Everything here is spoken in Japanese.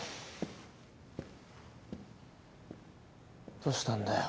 どうしたんだよ。